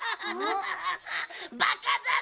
バカだな。